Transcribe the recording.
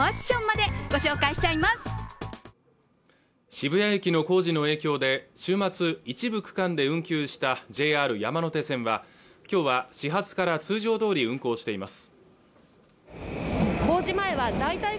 渋谷駅の工事の影響で週末一部区間で運休したＪＲ山手線は今日は始発から通常どおり運行しています